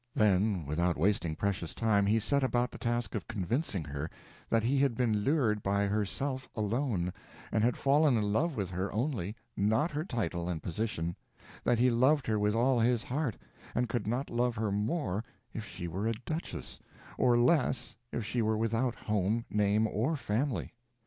Then, without wasting precious time, he set about the task of convincing her that he had been lured by herself alone, and had fallen in love with her only, not her title and position; that he loved her with all his heart, and could not love her more if she were a duchess, or less if she were without home, name or family.